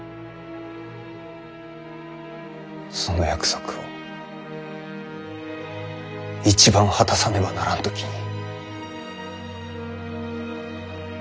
その約束を一番果たさねばならん時に。